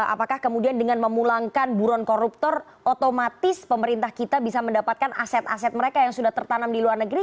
apakah kemudian dengan memulangkan buron koruptor otomatis pemerintah kita bisa mendapatkan aset aset mereka yang sudah tertanam di luar negeri